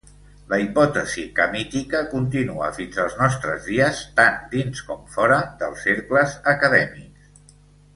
La hipòtesi camítica continua fins als nostres dies, tant dins com fora dels cercles acadèmics.